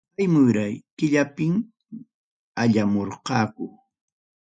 Aymuray killapim allamurqaku.